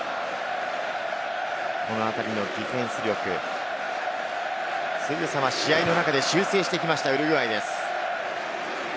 このあたりのディフェンス力、すぐさま試合の中で修正してきました、ウルグアイです。